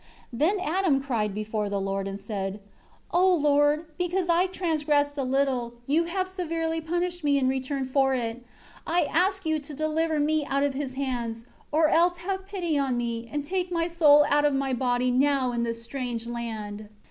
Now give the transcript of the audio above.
8 Then Adam cried before the Lord, and said, "O Lord because I transgressed a little, You have severely punished me in return for it, I ask You to deliver me out of his hands; or else have pity on me, and take my soul out of my body now in this strange land."